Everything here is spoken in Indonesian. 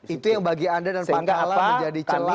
itu yang bagi anda dan pak allah menjadi celah ya pak